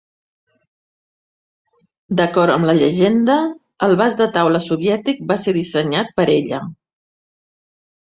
D'acord amb la llegenda, el vas de taula soviètic va ser dissenyat per ella.